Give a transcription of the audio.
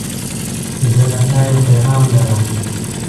زه له تا یو پیغام لرم.